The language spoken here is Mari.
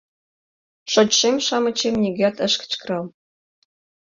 Шочшем-шамычем нигӧат ыш кычкырал.